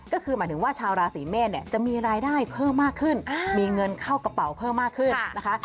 ก็คือหมายถึงว่าชาวราศีเมษเนี่ยจะมีรายได้เพิ่มมากขึ้นมีเงินเข้ากระเป๋าเพิ่มมากขึ้นนะคะ